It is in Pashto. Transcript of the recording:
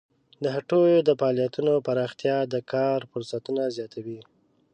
د هټیو د فعالیتونو پراختیا د کار فرصتونه زیاتوي.